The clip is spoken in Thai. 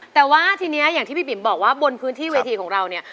แต่ว่าทีนี้อย่างที่พี่ปิ๋มบอกว่าบนพื้นที่เวทีของเราเนี่ย